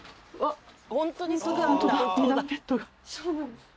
そうなんです。